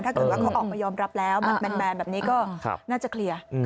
ถ้าเกิดว่าเขาออกมายอมรับแล้วแมนแบบนี้ก็น่าจะเคลียร์